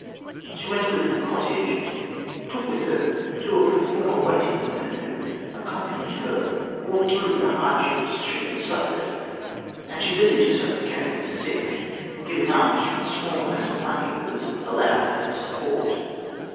She went to live in a cottage and took with her two of her former waiting women who accompanied her all through the hardships she had suffered, and she busied herself with caring for the sick and giving alms from the small amount of money that was allowed for her support.